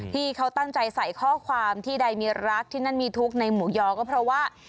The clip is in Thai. ที่เขาตั้งใจใส่ข้อความที่ใดมีรักที่นั่นมีทุกข์ในหมูยอก็เพราะว่า